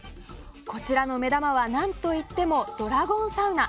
こちらの目玉は何といってもドラゴンサウナ。